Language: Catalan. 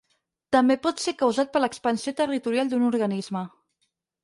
També pot ser causat per l'expansió territorial d'un organisme.